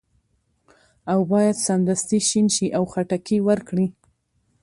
او باید سمدستي شین شي او خټکي ورکړي.